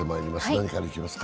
何からいきますか？